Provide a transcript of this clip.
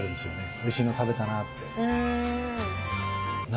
おいしいの食べたなって。